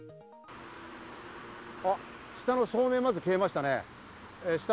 あっ、下の照明がまず消えましたね。